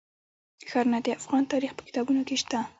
ښارونه د افغان تاریخ په کتابونو کې شته.